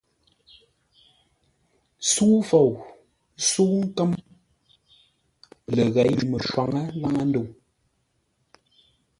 Sə́u Fou, sə́u Nkə̌m ləghěi mə́shwáŋə laŋə́-ndə̂u.